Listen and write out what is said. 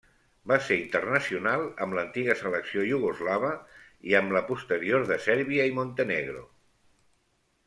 Va ser internacional amb l'antiga selecció iugoslava i amb la posterior de Sèrbia i Montenegro.